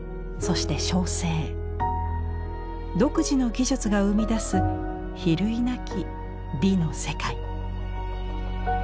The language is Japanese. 独自の技術が生み出す比類なき美の世界。